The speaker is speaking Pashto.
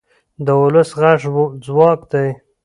د ولس غږ ځواک دی